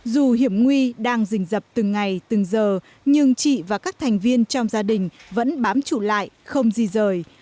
dù hiểm nguy đang dình dập từng ngày từng giờ nhưng chị và các thành viên trong gia đình vẫn bám chủ lại không gì rời